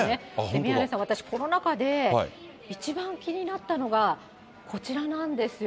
宮根さん、私、この中で一番気になったのがこちらなんですよ。